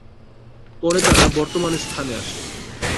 পরে তাঁরা বর্তমান স্থানে আসে।